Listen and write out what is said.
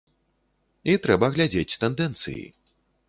І трэба глядзець тэндэнцыі.